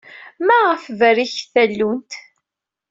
Maɣef berriket tallunt?